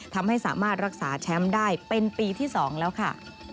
ทำให้สามารถรักษาแชมป์ได้เป็นปีที่๒แล้วค่ะ